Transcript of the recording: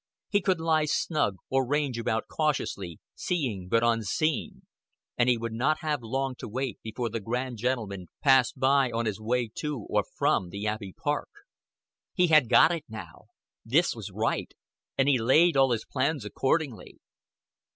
He could lie snug, or range about cautiously, seeing but unseen; and he would not have long to wait before the grand gentleman passed by on his way to or from the Abbey park. He had got it now. This was right; and he laid all his plans accordingly.